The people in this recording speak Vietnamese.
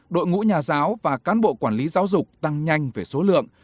đội ngũ nhà giáo và cán bộ quản lý giáo dục tăng nhanh về số lượng